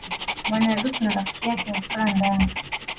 Bwana harusi na rafiki yake hukaa ndani